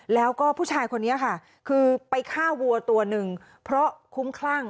แล้วก็ผู้ชายคนนี้ค่ะคือไปฆ่าวัวตัวหนึ่งเพราะคุ้มคลั่ง